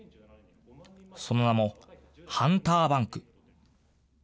その名も、ハンターバンク。